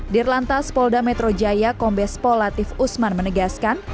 dirlantas polda metro jaya kombes pol latif usman menegaskan